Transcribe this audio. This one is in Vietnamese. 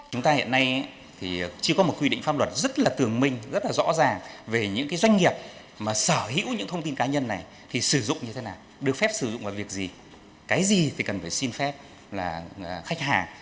chúng ta hiện nay thì chưa có một quy định pháp luật rất là tường minh rất là rõ ràng về những cái doanh nghiệp mà sở hữu những thông tin cá nhân này thì sử dụng như thế nào được phép sử dụng vào việc gì cái gì thì cần phải xin phép là khách hàng